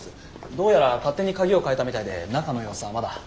どうやら勝手に鍵を替えたみたいで中の様子はまだ。